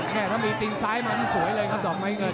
แค่ถ้ามีดิ้งซ้ายก็สวยเลยครับดอกไม้เงิน